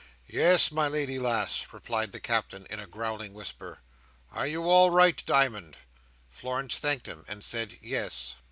"Yes, my lady lass," replied the Captain, in a growling whisper. "Are you all right, di'mond?" Florence thanked him, and said "Yes."